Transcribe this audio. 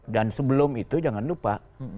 dan sebelum itu jangan lupa